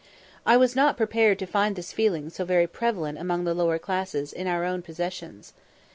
I was not prepared to find this feeling so very prevalent among the lower classes in our own possessions.